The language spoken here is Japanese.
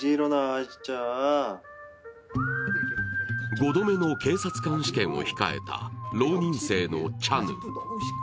５度目の警察官試験を控えた浪人生のチャヌ。